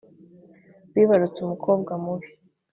wibarutse umukobwa mubi